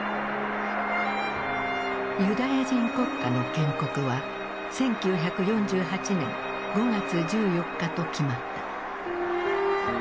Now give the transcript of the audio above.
ユダヤ人国家の建国は１９４８年５月１４日と決まった。